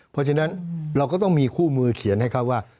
เพราะฉะนั้นเราก็ต้องมีคู่มือเขียนให้เขาว่า